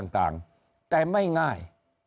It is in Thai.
ต่างแต่ไม่ง่าย